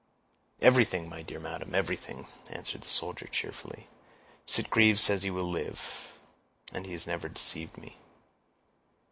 "Everything, my dear madam, everything," answered the soldier cheerfully. "Sitgreaves says he will live, and he has never deceived me."